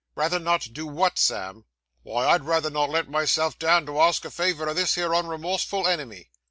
'Rather not do what, Sam?' 'Wy, I'd rayther not let myself down to ask a favour o' this here unremorseful enemy.